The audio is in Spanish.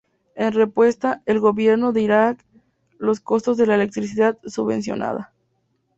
En respuesta, el gobierno de Irak, los costos de la electricidad subvencionada.